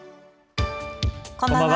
こんばんは。